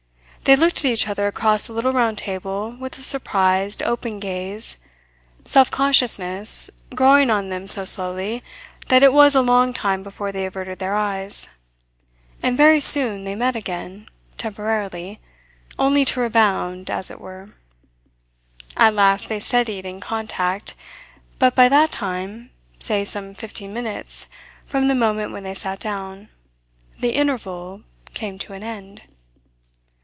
They looked at each other across a little round table with a surprised, open gaze, self consciousness growing on them so slowly that it was a long time before they averted their eyes; and very soon they met again, temporarily, only to rebound, as it were. At last they steadied in contact, but by that time, say some fifteen minutes from the moment when they sat down, the "interval" came to an end.